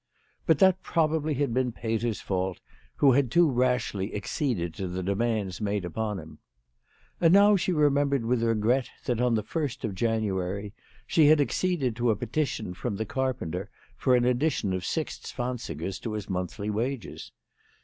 But that probably had been Peter's fault, who had too rashly acceded to the demands made upon him. And now she remembered with regret that, on the 1st of January, she had acceded to a petition from the carpenter for an addition of six zwansigers to his monthly wages.